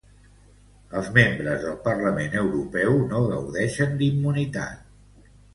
Els membres del Parlament Europeu no gaudeixen d'immunitat